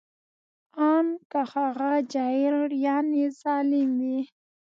ان که هغه جائر یعنې ظالم وي